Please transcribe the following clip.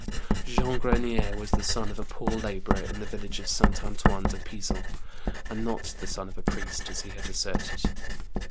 Jean Grenier was the son of a poor labourer in the village of S. Antoine de Pizon, and not the son of a priest, as he had asserted.